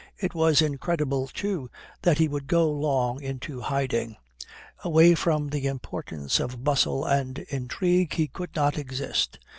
It was incredible, too, that he would go long into hiding. Away from the importance of bustle and intrigue he could not exist.